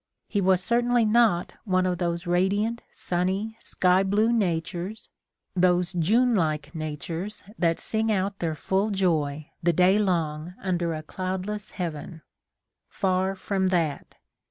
He was certainly not one of those radiant, sunny, sky blue natures, those June like natures that sing out their full joy, the day long, under a cloudless heaven. Far from that!